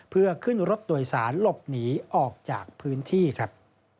เพื่อขึ้นรถโดยสารหลบหนีออกจากพื้นที่ครับ